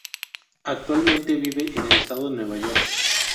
Actualmente vive en el estado de Nueva York.